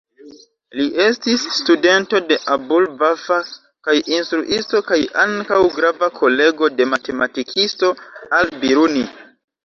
Li estis studento de Abu'l-Vafa kaj instruisto kaj ankaŭ grava kolego de matematikisto, Al-Biruni.